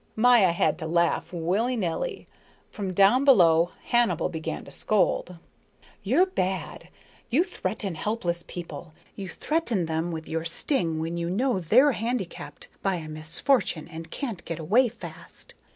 Maya had to laugh, willy nilly. From down below Hannibal began to scold. "You're bad. You threaten helpless people, you threaten them with your sting when you know they're handicapped by a misfortune and can't get away fast.